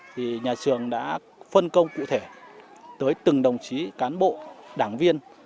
thì nhà trường đã phân công cụ thể tới từng đồng chí cán bộ đảng viên